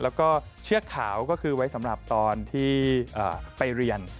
แล้วก็เชือกขาวก็คือไว้สำหรับตอนที่ไปเรียน